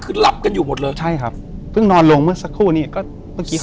คือหลับกันอยู่หมดเลยใช่ครับเพิ่งนอนลงเมื่อสักครู่นี้ก็เมื่อกี้